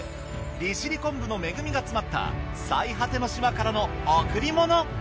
利尻昆布の恵みが詰まった最果ての島からの贈り物。